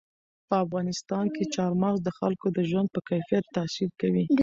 په افغانستان کې چار مغز د خلکو د ژوند په کیفیت تاثیر کوي.